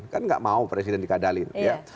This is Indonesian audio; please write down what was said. kan nggak mau presiden dikadalin ya